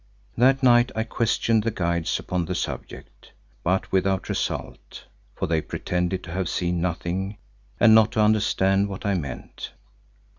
That night I questioned the guides upon the subject, but without result, for they pretended to have seen nothing and not to understand what I meant.